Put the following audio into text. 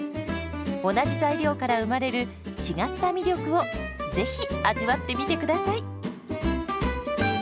同じ材料から生まれる違った魅力をぜひ味わってみてください。